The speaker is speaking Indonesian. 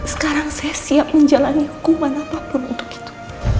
sekarang saya siap menjalani hukuman apapun untuk itu